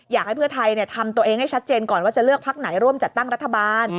อยากให้เพื่อไทยทำตัวเองให้ชัดเจนก่อนว่าจะเลือกพักไหนร่วมจัดตั้งรัฐบาล